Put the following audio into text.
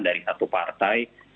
dari satu partai